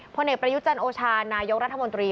ผลเอกประยุจันทร์โอชานายกรัฐมนตรี